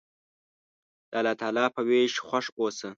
د الله تعالی په ویش خوښ اوسه.